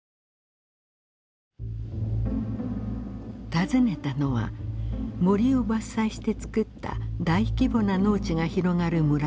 訪ねたのは森を伐採して作った大規模な農地が広がる村でした。